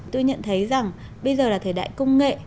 tôi nhận thấy rằng bây giờ là thời đại công nghệ